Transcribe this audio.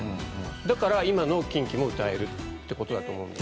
だから、今のＫｉｎＫｉも歌えるってことだと思うんです。